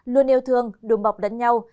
luôn yêu thương đùm bọc đánh nhau